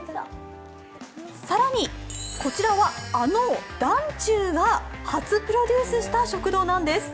更に、こちらはあの「ｄａｎｃｙｕ」が初プロデュースした食堂なんです。